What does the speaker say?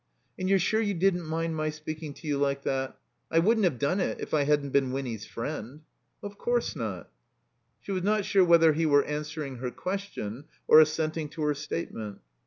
"And you're sure you didn't mind my speaking to you like that? I wouldn't have done it if I hadn't been Winny's friend." "Of course not." She was not sure whether he were answering her question or assenting to her statement.